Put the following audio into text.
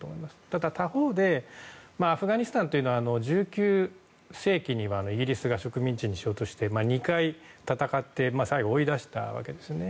ただ、他方でアフガニスタンというのは１９世紀にはイギリスが植民地にしようとして２回、戦って最後追い出したわけですね。